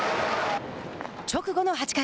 直後の８回。